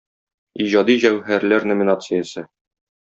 "иҗади җәүһәрлар" номинациясе.